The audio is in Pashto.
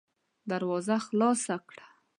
دروازه خلاصه کړه!